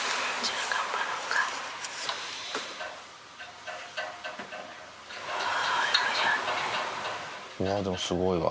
あー、でもすごいわ。